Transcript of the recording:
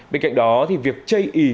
bên cạnh đó việc chây ý